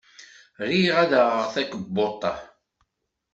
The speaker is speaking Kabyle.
Riɣ ad d-aɣaɣ takebbuḍt-a.